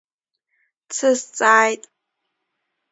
Дсызҵааит.